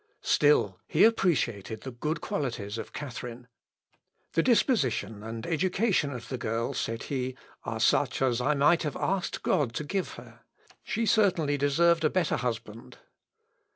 " Still he appreciated the good qualities of Catharine. "The disposition and education of the girl," said he, "are such as I might have asked God to give her, δεξιᾷ ὁ Θεὸς τεκμαίροιτο. She certainly deserved a better husband."